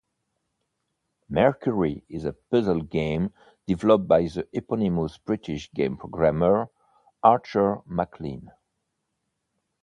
"Mercury" is a puzzle game developed by the eponymous British game programmer, Archer MacLean.